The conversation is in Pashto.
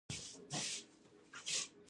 زما ملګری زړور ده